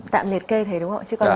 tạm biệt kê thấy đúng không ạ